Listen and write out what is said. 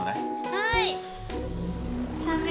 はい。